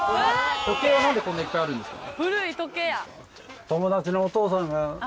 時計がなんでこんなにいっぱいあるんですか？